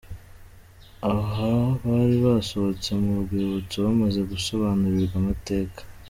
Aha bari basohotse mu rwibutso bamaze gusobanurirwa amateka.